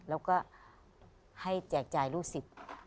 แล้วก็ให้แจกจ่ายลูกศิษย์